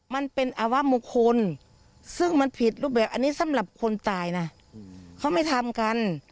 มันเป็นอวะมงคลซึ่งมันผิดรูปแบบอันนี้สำหรับคนตายนะเขาไม่ทำกัน